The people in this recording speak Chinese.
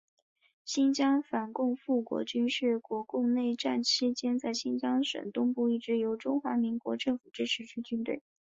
新疆反共复国军是国共内战期间在新疆省东部一支由中华民国政府支持之军队。